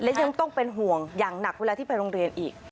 และยังต้องเป็นห่วงอย่างหนักเวลาที่ไปโรงเรียนอีก